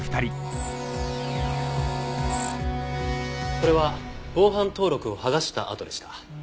これは防犯登録を剥がした痕でした。